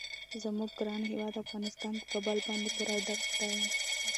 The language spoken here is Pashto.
زموږ ګران هیواد افغانستان په کابل باندې پوره ډک دی.